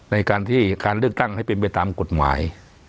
ในการที่การเลือกตั้งให้เป็นไปตามกฎหมาย